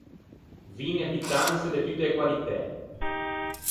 Vin e pittanse de tutte e qualitæ.